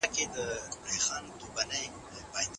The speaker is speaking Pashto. که مادي ژبه وي، نو د زده کوونکي ذهن آرام وي.